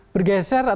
bergeser atau terserah